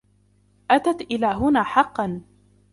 أتَتْ إلى هنا حقا.